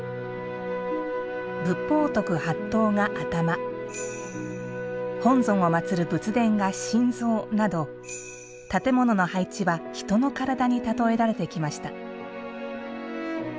仏法を説く法堂が頭本尊を祭る仏殿が心臓、など建物の配置は人の体に例えられてきました。